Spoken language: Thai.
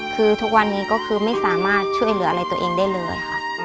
คือทุกวันนี้ก็คือไม่สามารถช่วยเหลืออะไรตัวเองได้เลยค่ะ